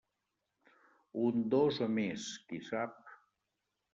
Un, dos o més, qui sap?